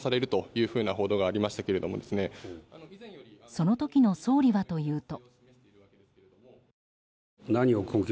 その時の総理はというと。